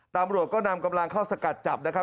ตำรวจก็นำกำลังเข้าสกัดจับนะครับ